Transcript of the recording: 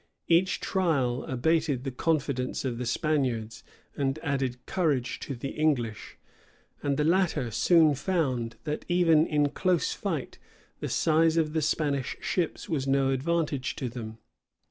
Each trial abated the confidence of the Spaniards, and added courage to the English; and the latter soon found, that even in close fight the size of the Spanish ships was no advantage to them.